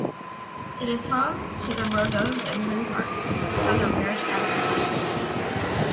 It is home to the Rhododendron Park, found on Parrish Avenue.